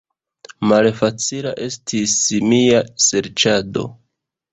Malfacila estis mia serĉado.